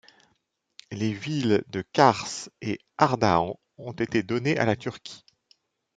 Les villes de Kars et Ardahan ont été données à la Turquie.